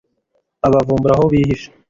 abavumbura aho bihishe